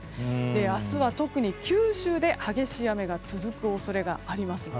明日は、特に九州で激しい雨が続く恐れがあります。